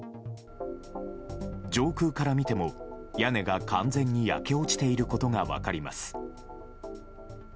上空から見ても、屋根が完全に焼け落ちていることが分かります。